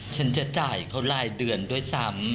ฉันจะจ่ายเขารายเดือนด้วยซ้ำ